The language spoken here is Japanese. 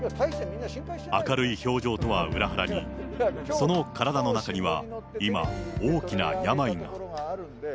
明るい表情とは裏腹に、その体の中には今、大きな病が。